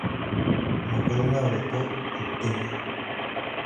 マクドナルドとロッテリア